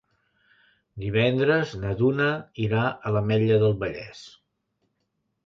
Divendres na Duna irà a l'Ametlla del Vallès.